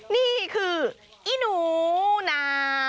นี่คืออีหนูนา